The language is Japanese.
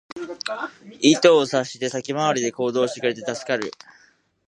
意図を察して先回りで行動してくれて助かる